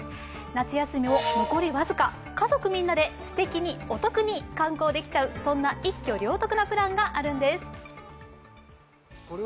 夏休みも残り僅か、家族みんなですてきにお得に観光できちゃう、そんな一挙両得なプランがあるんです。